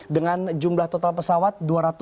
dengan jumlah total pesawat